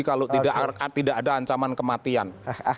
kalau tidak ada ancaman kematian